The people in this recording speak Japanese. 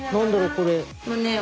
これ。